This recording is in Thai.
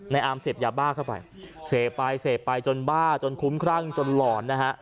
อามเสพยาบ้าเข้าไปเสพไปเสพไปจนบ้าจนคุ้มครั่งจนหลอนนะฮะ